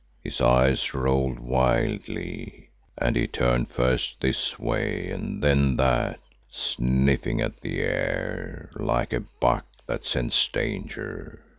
His eyes rolled wildly and he turned first this way and then that, sniffing at the air, like a buck that scents danger.